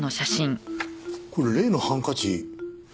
これ例のハンカチ。